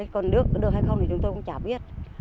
còn được hay không thì chúng tôi cũng chả biết